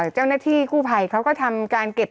เจ้าหน้าที่กู้ภัยเขาก็ทำการเก็บ